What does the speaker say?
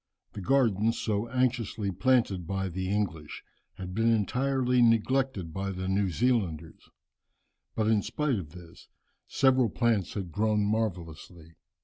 The gardens so anxiously planted by the English had been entirely neglected by the New Zealanders, but in spite of this several plants had grown marvellously.